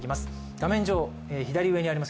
画面上、左上にあります